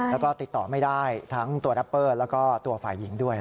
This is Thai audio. แล้วก็ติดต่อไม่ได้ทั้งตัวแรปเปอร์แล้วก็ตัวฝ่ายหญิงด้วย